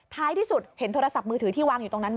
ท้ายที่สุดเห็นโทรศัพท์มือถือที่วางอยู่ตรงนั้นไหม